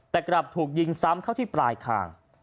แต่กลับถูกยิงซ้ำเข้าที่ปลายคาง